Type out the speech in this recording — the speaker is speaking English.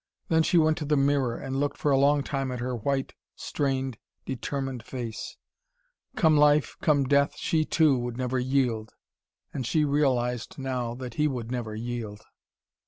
Then she went to the mirror and looked for a long time at her white, strained, determined face. Come life, come death, she, too would never yield. And she realised now that he would never yield.